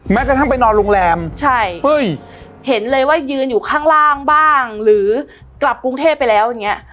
กระทั่งไปนอนโรงแรมใช่เฮ้ยเห็นเลยว่ายืนอยู่ข้างล่างบ้างหรือกลับกรุงเทพไปแล้วอย่างเงี้ย